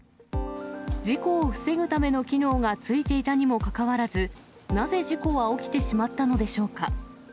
事故を防ぐための機能が付いていたにもかかわらず、なぜ事故は起きてしまったのでしょうか。